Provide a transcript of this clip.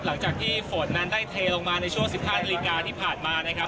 หลังจากที่ฝนนั้นได้เทลงมาในช่วง๑๕นาฬิกาที่ผ่านมานะครับ